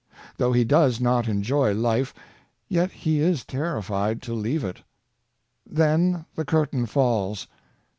Though he does not enjoy life, yet he is terrified to leave it. Then the curtain falls.